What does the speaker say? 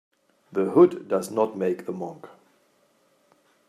The hood does not make the monk.